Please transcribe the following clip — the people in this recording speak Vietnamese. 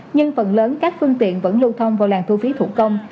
nhưng phần lớn các phương tiện vẫn lưu thông vào làng thu phí thủ công